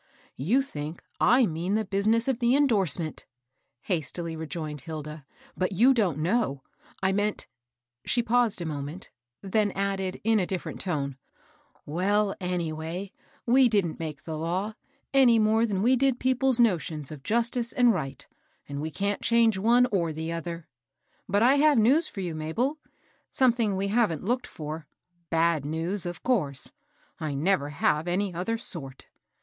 " You think I mean the business of the endorse ment," hastily rejoined Hilda; "but you don't know. I meant "— she paused a moment, then added, in a different tone, "Well, anyway, we didn't make the law, any more \5aaxv ^^ ^A ^^^^ 218 MABEL ROSS. pie's notions of justice and right, and we canH change one or the other. But I have news fear you, Mabel, — something we haven't looked for, — Ja(i news, of course, — I never have any other sort.